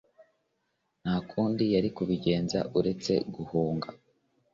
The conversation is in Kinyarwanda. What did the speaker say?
nta kundi yari kubigenza uretse guhunga